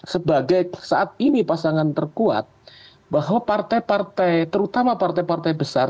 sebagai saat ini pasangan terkuat bahwa partai partai terutama partai partai besar